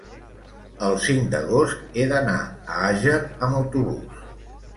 el cinc d'agost he d'anar a Àger amb autobús.